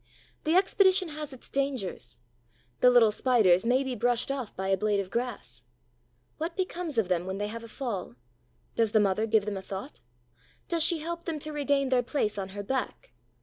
The expedition has its dangers. The little Spiders may be brushed off by a blade of grass. What becomes of them when they have a fall? Does the mother give them a thought? Does she help them to regain their place on her back?